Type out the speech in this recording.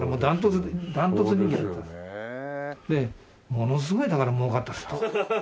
ものすごいだからもうかったと。